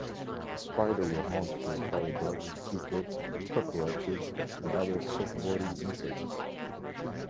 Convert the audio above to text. The spider will hunt for firebrats, crickets, cockroaches, and other soft-bodied insects.